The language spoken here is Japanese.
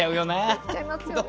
できちゃいますよね。